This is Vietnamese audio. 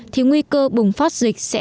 thì nguy cơ bùng phát dịch sẽ